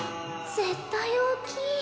絶対大きい。